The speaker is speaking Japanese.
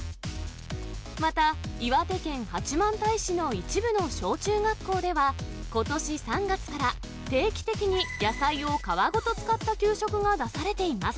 また、岩手県八幡平市の一部の小中学校では、ことし３月から、定期的に野菜を皮ごと使った給食が出されています。